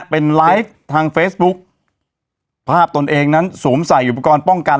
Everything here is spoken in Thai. เป็นไลฟ์ทางเฟซบุ๊กภาพตนเองนั้นสวมใส่อุปกรณ์ป้องกัน